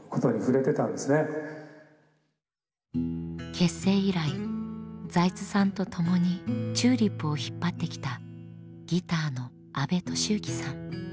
結成以来財津さんと共にＴＵＬＩＰを引っ張ってきたギターの安部俊幸さん。